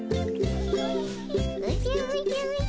おじゃおじゃおじゃ。